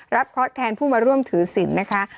เคาะแทนผู้มาร่วมถือศิลป์นะคะ